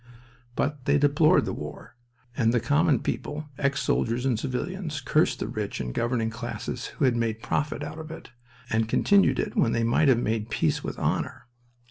But they deplored the war, and the common people, ex soldiers and civilians, cursed the rich and governing classes who had made profit out of it, and had continued it when they might have made peace with honor.